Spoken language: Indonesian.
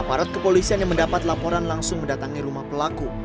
aparat kepolisian yang mendapat laporan langsung mendatangi rumah pelaku